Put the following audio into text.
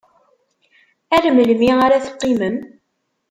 Ar melmi ara teqqimem?